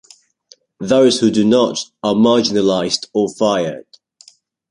Those who do not are marginalized or fired.